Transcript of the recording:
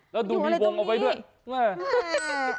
แล้วดูมีวงเอาไว้ด้วยอยู่อะไรตรงนี้